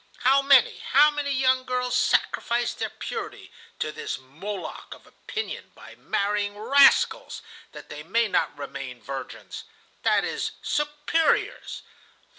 How many, how many young girls sacrifice their purity to this Moloch of opinion by marrying rascals that they may not remain virgins,—that is, superiors!